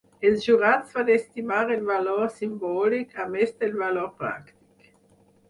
Els jurats van estimar el valor simbòlic a més del valor pràctic.